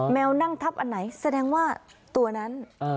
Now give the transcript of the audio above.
แมวนั่งทับอันไหนแสดงว่าตัวนั้น